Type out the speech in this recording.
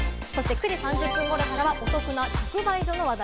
９時３０分頃からはお得な直売所の話題。